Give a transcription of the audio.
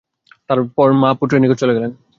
তারপর মা পুত্রের নিকট চলে গেলেন।